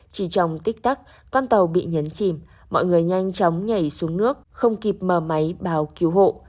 chỉ trong tích tắc con tàu bị nhấn chìm mọi người nhanh chóng nhảy xuống nước không kịp mở máy báo cứu hộ